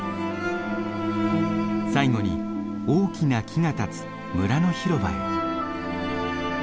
最後に大きな木が立つ村の広場へ。